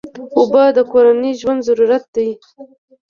اوبه د کورنۍ ژوند ضرورت دی.